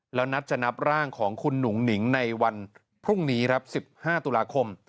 แล้วนัดจะนับร่างของคุณหนุ่งหนิงในวันพรุ่งนี้ครับ๑๕ตุลาคม